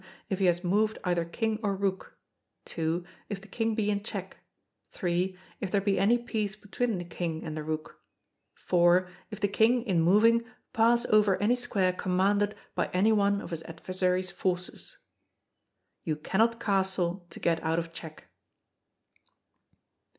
If he has moved either King or Rook. 2. If the King be in check. 3. If there be any piece between the King and the Rook. 4. If the King, in moving, pass over any square commanded by any one of his adversary's forces. [You cannot castle to get out of check.